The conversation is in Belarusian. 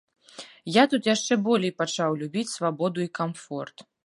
Я тут яшчэ болей пачаў любіць свабоду і камфорт.